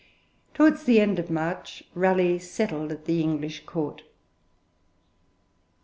Towards the end of March, Raleigh settled at the English Court.